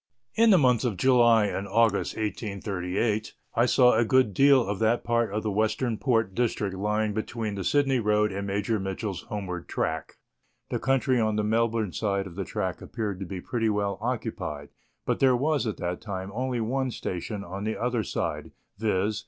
In the months of July and August J838 I saw a good deal of that part of the Western Port district lying between the Sydney road and Major Mitchell's homeward track ; the country on the Melbourne side of the track appeared to be pretty well occupied, but there was at that time only one station on the other side, viz.